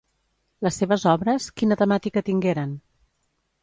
Les seves obres, quina temàtica tingueren?